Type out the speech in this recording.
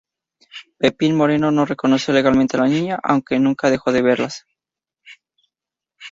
Pepín Moreno no reconoció legalmente a la niña, aunque nunca dejó de verlas.